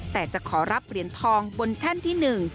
แต่จะขอรับเหรียญทองบนแท่นที่๑